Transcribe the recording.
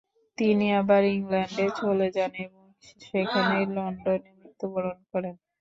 তিনি আবার ইংল্যান্ডে চলে যান এবং সেখানেই লন্ডনে মৃত্যুবরণ করেন ।